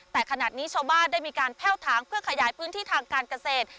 แต่ขนาดนี้ชาวบ้านได้มีการแพ่วถางเพื่อขยายพื้นที่ทางการเกษตร